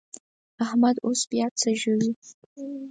احمد اوس پياڅه ژووي.